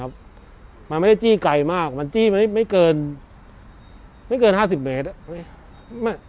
ก็มันไม่ควรที่จะมาจี้ตูดขนาดนี้ครับ